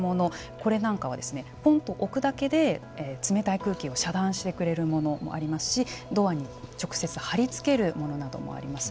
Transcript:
これなんかはぽんと置くだけで冷たい空気を遮断してくれるものもありますしドアに直接貼り付けるものなどもあります。